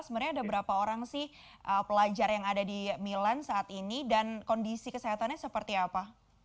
sebenarnya ada berapa orang sih pelajar yang ada di milan saat ini dan kondisi kesehatannya seperti apa